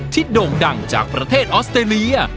โด่งดังจากประเทศออสเตรเลีย